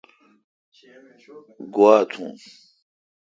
گوا تھون